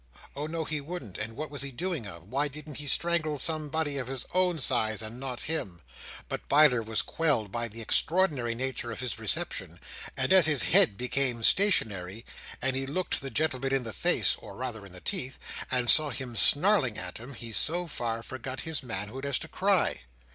oh no he wouldn't—and what was he doing of—and why didn't he strangle some—body of his own size and not him: but Biler was quelled by the extraordinary nature of his reception, and, as his head became stationary, and he looked the gentleman in the face, or rather in the teeth, and saw him snarling at him, he so far forgot his manhood as to cry.